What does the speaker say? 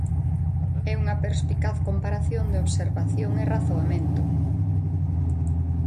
É unha perspicaz comparación de observación e razoamento.